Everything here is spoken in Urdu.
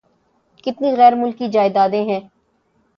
کتنی غیر ملکی جائیدادیں ہیں۔